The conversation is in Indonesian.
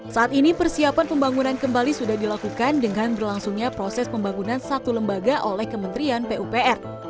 saat ini persiapan pembangunan kembali sudah dilakukan dengan berlangsungnya proses pembangunan satu lembaga oleh kementerian pupr